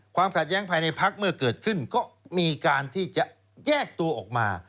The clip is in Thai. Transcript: ความขัดแย้งภายในพักเมื่อเกิดขึ้นก็มีการที่จะแยกตัวออกมา